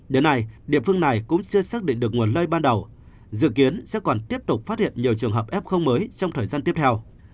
đến nay địa phương này cũng chưa xác định được nguồn lây ban đầu dự kiến sẽ còn tiếp tục phát hiện nhiều trường hợp f mới trong thời gian tiếp theo